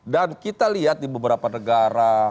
dan kita lihat di beberapa negara